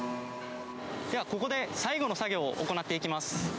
では、ここで最後の作業を行っていきます。